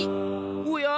おや！